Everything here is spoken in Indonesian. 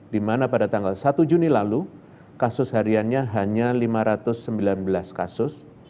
di mana pada tanggal satu juni lalu kasus hariannya hanya lima ratus sembilan belas kasus